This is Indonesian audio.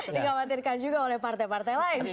dikhawatirkan juga oleh partai partai lain